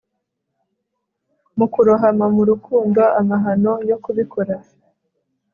Mu kurohama mu rukundo amahano yo kubikora